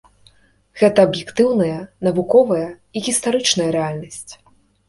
Гэта аб'ектыўная, навуковая і гістарычная рэальнасць.